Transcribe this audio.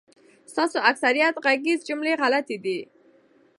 ستاسو اکثریت غږیز جملی خلطی دی